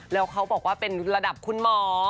แล้วเขาบอกว่าเป็นระดับคุณหมอ